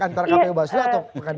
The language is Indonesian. antara kpu dan bawaslunya